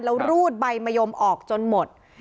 แล้วรูดใบมะยมออกจนหมด